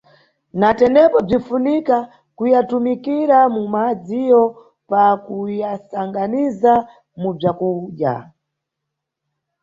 Na tenepo bzinifunika kuyatumikira mu madziyo pa kuyasanganiza mu bzakudya.